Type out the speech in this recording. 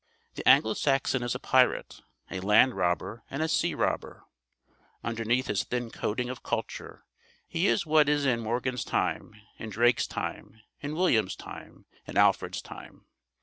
The Anglo Saxon is a pirate, a land robber and a sea robber. Underneath his thin coating of culture, he is what he was in Morgan's time, in Drake's time, in William's time, in Alfred's time.